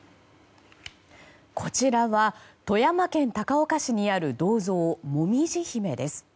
こちらは富山県高岡市にある銅像もみじ姫です。